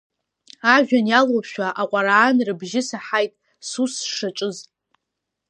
Ажәҩан иалоушәа аҟәараан, рыбжьы саҳаит, сус сшаҿыз.